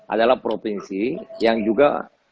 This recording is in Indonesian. adalah provinsi yang juga